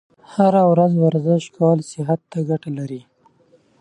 هره ورځ ورزش کول صحت ته ګټه لري.